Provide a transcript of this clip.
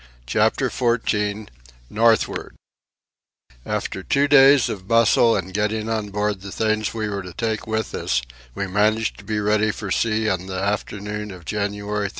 CHAPTER XIV Northward After two days of bustle in getting on board the things we were to take with us, we managed to be ready for sea on the afternoon of January 30.